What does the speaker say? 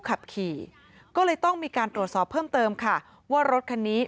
ขับขี่ก็เลยต้องมีการตรวจสอบเพิ่มเติมค่ะว่ารถคันนี้